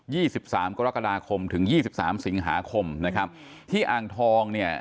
สิบสามกรกฎาคมถึงยี่สิบสามสิงหาคมนะครับที่อ่างทองเนี่ย